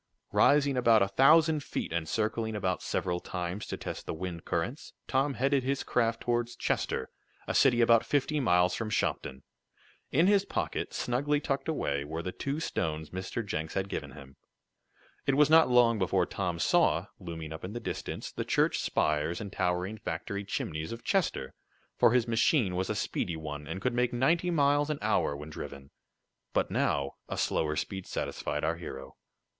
Rising about a thousand feet, and circling about several times to test the wind currents, Tom headed his craft toward Chester, a city about fifty miles from Shopton. In his pocket, snugly tucked away, were the two stones Mr. Jenks had given him. It was not long before Tom saw, looming up in the distance the church spires and towering factory chimneys of Chester, for his machine was a speedy one, and could make ninety miles an hour when driven. But now a slower speed satisfied our hero.